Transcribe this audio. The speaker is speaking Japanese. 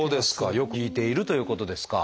よく効いているということですか。